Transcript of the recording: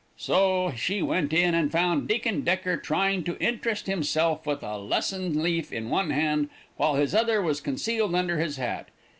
"So she went in and found Deacon Decker trying to interest himself with a lesson leaf in one hand, while his other was concealed under his hat.